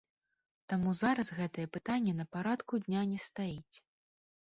Таму зараз гэтае пытанне на парадку дня не стаіць.